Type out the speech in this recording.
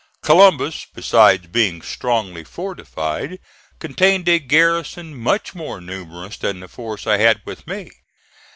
Columbus, besides being strongly fortified, contained a garrison much more numerous than the force I had with me.